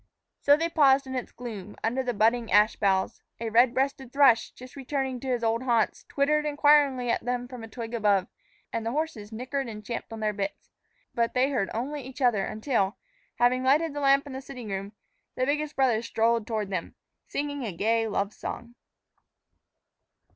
So they paused in its gloom, under the budding ash boughs. A red breasted thrush, just returned to his old haunts, twittered inquiringly at them from a twig above, and the horses nickered and champed on their bits. But they heard only each other until, having lighted the lamp in the sitting room, the biggest brother strolled toward them, singing a gay love song.